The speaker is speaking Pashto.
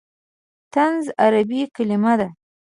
طنز عربي کلمه ده.